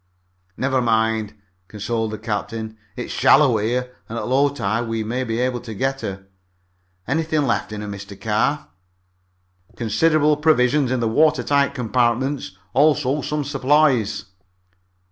"Never mind," consoled the captain. "It's shallow here and at low tide we may be able to get her. Anything left in her, Mr. Carr?" "Considerable provisions in the water tight compartments. Also some supplies."